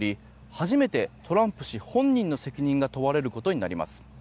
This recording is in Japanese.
初めてトランプ氏本人の責任が問われることになります。